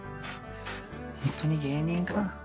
ホントに芸人か？